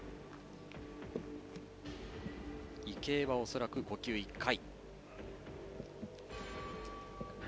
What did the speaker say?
池江は、恐らく呼吸１回。